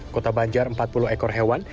kota banjar empat puluh ekor hewan